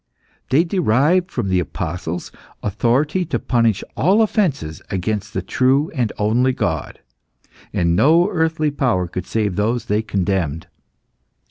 They derived from the Apostles authority to punish all offences against the true and only God, and no earthly power could save those they condemned.